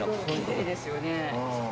きれいですよね。